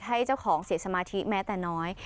ให้เจ้าของเสียสมาธิแม้แต่น้อย